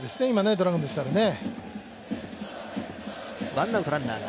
ドラゴンズとしたらね。